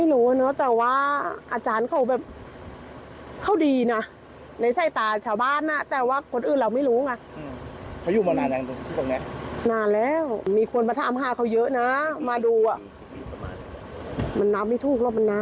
เรื่องที่สังพันธ์กับอาจารย์มาเรามีความเชื่ออย่างไรนะ